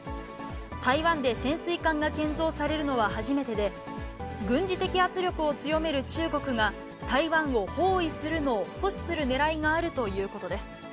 台湾で潜水艦が建造されるのは初めてで、軍事的圧力を強める中国が、台湾を包囲するのを阻止するねらいがあるということです。